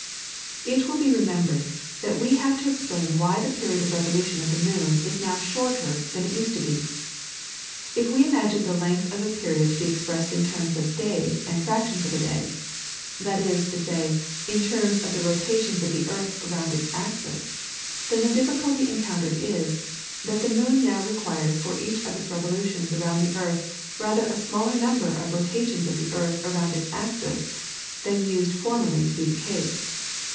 It will be remembered that we have to explain why the period of revolution of the moon is now shorter than it used to be. If we imagine the length of the period to be expressed in terms of days and fractions of a day, that is to say, in terms of the rotations of the earth around its axis, then the difficulty encountered is, that the moon now requires for each of its revolutions around the earth rather a smaller number of rotations of the earth around its axis than used formerly to be the case.